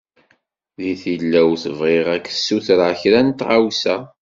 Di tilawt, bɣiɣ ad k-d-ssutreɣ kra n tɣawsa.